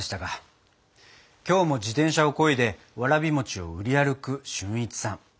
今日も自転車をこいでわらび餅を売り歩く俊一さん。